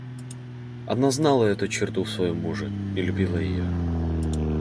Она знала эту черту в своем муже и любила ее.